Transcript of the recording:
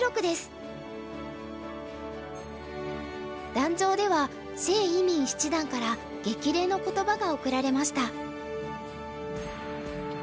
壇上では謝依旻七段から激励の言葉が贈られました。